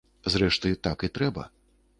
Зрэшты, так і трэба.